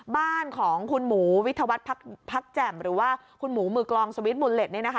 บ้านของคุณหมูวิทยาวัฒน์พักแจ่มหรือว่าคุณหมูมือกลองสวิตช์มูลเล็ตเนี่ยนะคะ